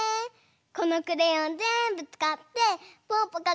このクレヨンぜんぶつかってぽぅぽか